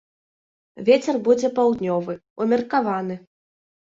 Вецер будзе паўднёвы, умеркаваны.